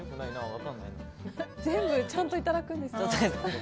全部ちゃんといただくんですか。